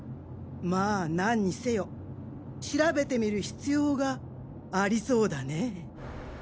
まぁ何にせよ調べてみる必要がありそうだねぇ。